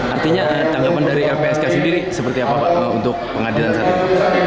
artinya tanggapan dari lpsk sendiri seperti apa pak untuk pengadilan saat ini